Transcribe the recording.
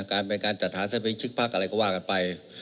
การเป็นการจัดฐานเซ็นต์พิษชิกภักดิ์อะไรก็ว่ากันไป